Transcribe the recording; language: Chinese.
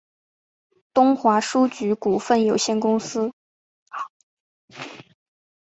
东华书局股份有限公司